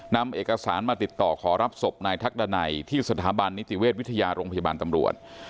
นำเอกสารมาติดต่อขอรับศพนายทักดันัยที่สถาบันนิติเวชวิทยาโรงพยาบาลตำรวจ